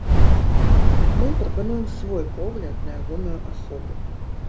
Мы прапануем свой погляд на ягоную асобу.